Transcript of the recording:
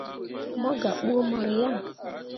Mo gah buu mor yaŋ.